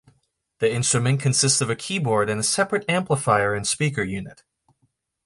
The instrument consists of a keyboard and a separate amplifier and speaker unit.